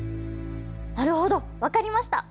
なるほど分かりました！